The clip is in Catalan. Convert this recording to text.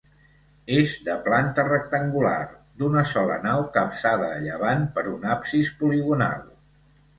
És de planta rectangular, d'una sola nau capçada a llevant per un absis poligonal.